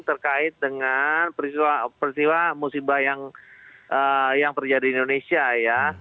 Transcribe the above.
terkait dengan peristiwa musibah yang terjadi di indonesia ya